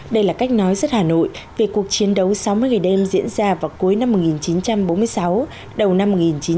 đây là cách nói rất hà nội về cuộc chiến đấu sáu mươi ngày đêm diễn ra vào cuối năm một nghìn chín trăm bốn mươi sáu đầu năm một nghìn chín trăm bốn mươi năm